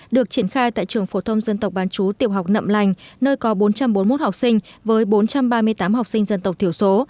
được triển khai tại trường phổ thông dân tộc bán chú tiểu học nậm lành nơi có bốn trăm bốn mươi một học sinh với bốn trăm ba mươi tám học sinh dân tộc thiểu số